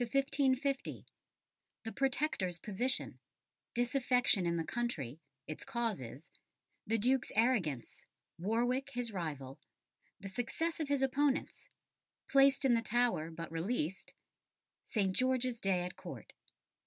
CHAPTER X 1549 1550 The Protector's position Disaffection in the country Its causes The Duke's arrogance Warwick his rival The success of his opponents Placed in the Tower, but released St. George's Day at Court.